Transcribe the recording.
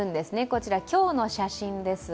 こちら、今日の写真です。